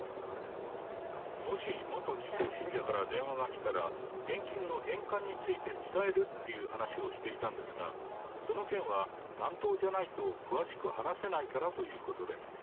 もし元２世信者から電話が来たら、献金の返還について伝えるっていう話をしていたんですが、その件は担当じゃないと詳しく話せないからということで。